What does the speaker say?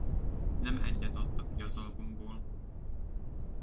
Nem egyet adtak ki az albumból.